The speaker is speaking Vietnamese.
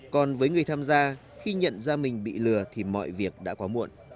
còn với người tham gia khi nhận ra mình bị lừa thì mọi việc đã quá muộn